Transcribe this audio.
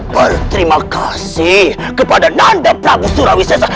berterima kasih kepada nanda prabu surawi sesa